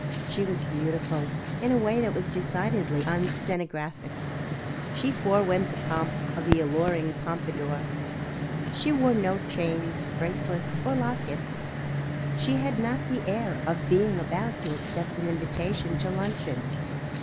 She was beautiful in a way that was decidedly unstenographic. She forewent the pomp of the alluring pompadour. She wore no chains, bracelets or lockets. She had not the air of being about to accept an invitation to luncheon.